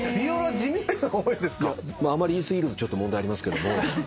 あまり言い過ぎるとちょっと問題ありますけども。